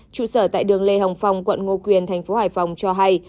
trụ sở tại đường lê hồng phong quận ngo quyền thành phố hải phòng cho hay